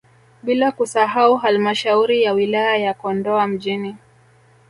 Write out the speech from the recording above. Bila kusahau halmashauri ya wilaya ya Kondoa mjini